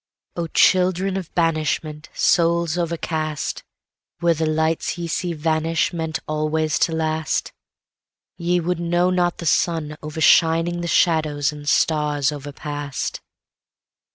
O children of banishment, Souls overcast, Were the lights ye see vanish meantAlway to last, Ye would know not the sun overshining the shadows and stars overpast.